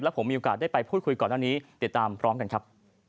ผมมีโอกาสได้ไปพูดคุยก่อนหน้านี้ติดตามพร้อมกันครับ